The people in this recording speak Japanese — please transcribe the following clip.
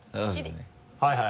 はいはい。